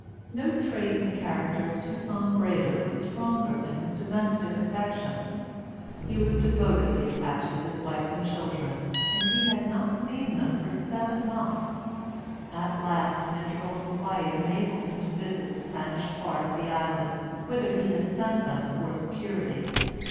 No trait in the character of Toussaint Breda was stronger than his domestic affections. He was devotedly attached to his wife and children, and he had not seen them for seven months. At last an interval of quiet enabled him to visit the Spanish part of the island, whither he had sent them for security.